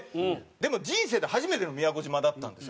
でも人生で初めての宮古島だったんですよ。